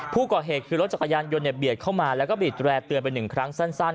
ผู้ก่อเหตุคือรถจักรยานยนต์เบียดเข้ามาแล้วก็บีดแร่เตือนไปหนึ่งครั้งสั้น